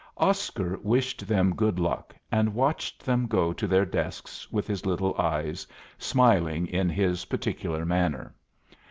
Oscar wished them good luck and watched them go to their desks with his little eyes, smiling in his particular manner.